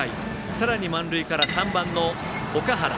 さらに満塁から３番の岳原。